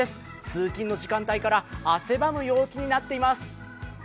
通勤の時間帯から汗ばむ陽気になっています。